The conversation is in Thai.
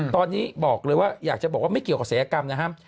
ตอนนี้อยากจะบอกว่าไม่เกี่ยวกับสายกรรมนะครับ